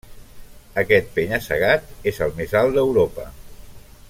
Aquest penya-segat és el més alt d'Europa.